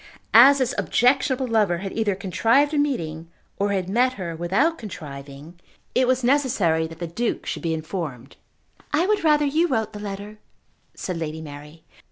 As this objectionable lover had either contrived a meeting, or had met her without contriving, it was necessary that the Duke should be informed. "I would rather you wrote the letter," said Lady Mary.